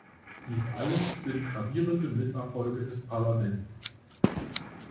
Dies alles sind gravierende Misserfolge des Parlaments.